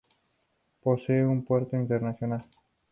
Posee un puerto internacional.